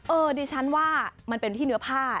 ดิฉันว่ามันเป็นที่เนื้อผ้า